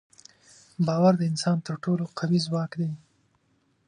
باور د انسان تر ټولو قوي ځواک دی.